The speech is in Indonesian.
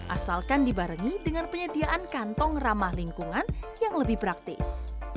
asalkan dibarengi dengan penyediaan kantong ramah lingkungan yang lebih praktis